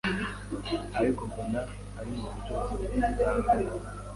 ariko mbona ari mu buryo butangana